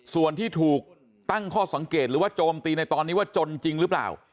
ส่วนที่ถูกตั้งข้อสังเกตหรือว่าโจมตีในตอนนี้ว่าจนจริงหรือเปล่า